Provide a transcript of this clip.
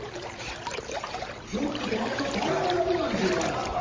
ちょっと田中さん、考えられないですよね。